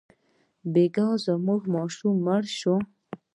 بېګا زموږ ماشوم مړ شو.